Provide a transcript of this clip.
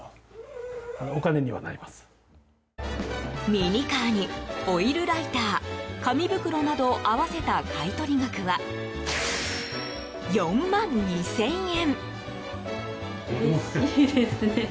ミニカーにオイルライター紙袋など合わせた買い取り額は４万２０００円。